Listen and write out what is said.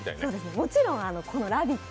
もちろん「ラヴィット！」